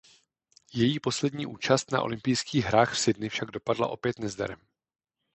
Její poslední účast na olympijských hrách v Sydney však dopadla opět nezdarem.